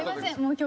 今日